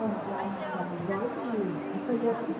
เราจะเดินไปดูส่วนของโมทอไซค์กันนะคะ